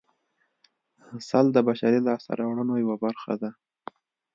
سل د بشري لاسته راوړنو یوه برخه ده